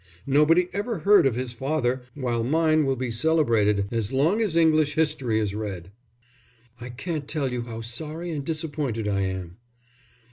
Nobody ever heard of his father, while mine will be celebrated as long as English history is read." "I can't tell you how sorry and disappointed I am."